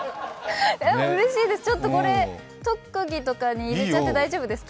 うれしいです、これ特技とかに入れちゃって大丈夫ですか？